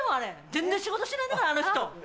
全然仕事してないんだからあの人。